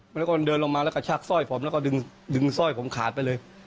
แล้วก็เดินลงมาแล้วก็ชักสร้อยผมแล้วก็ดึงสร้อยผมขาดไปเลย